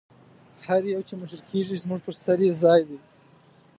هر یو چې مشر کېږي زموږ پر سر یې ځای دی.